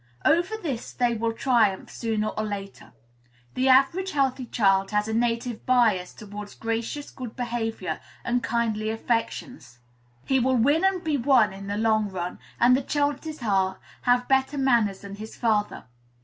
Over this they will triumph, sooner or later. The average healthy child has a native bias towards gracious good behavior and kindly affections. He will win and be won in the long run, and, the chances are, have better manners than his father.